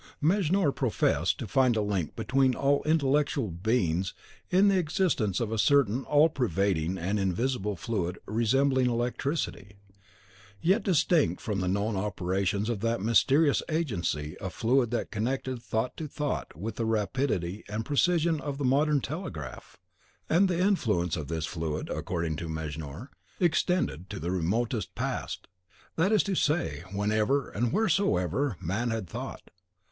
Mejnour professed to find a link between all intellectual beings in the existence of a certain all pervading and invisible fluid resembling electricity, yet distinct from the known operations of that mysterious agency a fluid that connected thought to thought with the rapidity and precision of the modern telegraph, and the influence of this fluid, according to Mejnour, extended to the remotest past, that is to say, whenever and wheresoever man had thought.